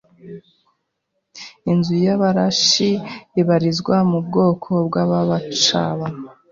Inzu y’Abarashi ibarizwa mu bwoko bw’Ababacyaba